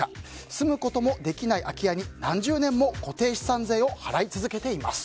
住むこともできない空き家に何十年も固定資産税を払い続けています。